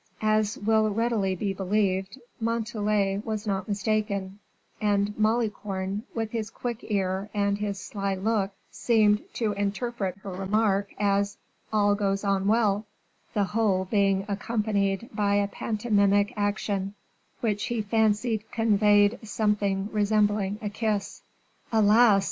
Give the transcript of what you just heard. As will readily be believed, Montalais was not mistaken; and Malicorne, with his quick ear and his sly look, seemed to interpret her remark as "All goes on well," the whole being accompanied by a pantomimic action, which he fancied conveyed something resembling a kiss. "Alas!